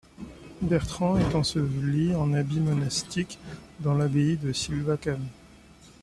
Bertrand est enseveli, en habits monastiques, dans l'abbaye de Silvacane.